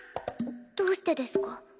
どうしてですか？